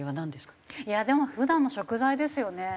いやでも普段の食材ですよね。